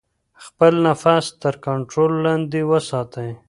خپل نفس تر کنټرول لاندې وساتئ.